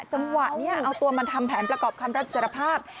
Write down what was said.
จังหวะนี้เอาตัวมาทำแผนประกอบคำรับสารภาพ